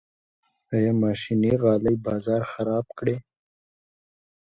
آیا ماشیني غالۍ بازار خراب کړی؟